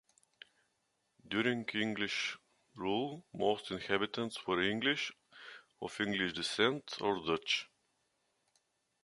During English rule most inhabitants were English, of English descent, or Dutch.